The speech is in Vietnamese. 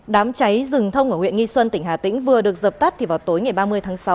đám cháy rừng thông ở huyện nghi xuân tỉnh hà tĩnh vừa được dập tắt thì vào tối ngày ba mươi tháng sáu